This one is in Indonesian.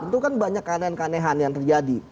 itu kan banyak kanehan kanehan yang terjadi